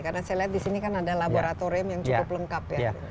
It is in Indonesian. karena saya lihat disini kan ada laboratorium yang cukup lengkap ya